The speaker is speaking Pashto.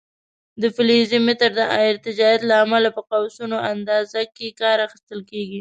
د فلزي متر د ارتجاعیت له امله په قوسونو اندازه کې کار اخیستل کېږي.